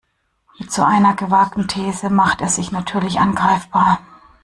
Mit so einer gewagten These macht er sich natürlich angreifbar.